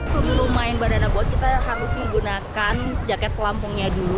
sebelum main badana buat kita harus menggunakan jaket pelampungnya dulu